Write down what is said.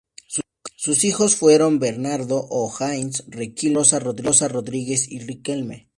Sus hijos fueron Bernardo O'Higgins Riquelme y Rosa Rodríguez y Riquelme.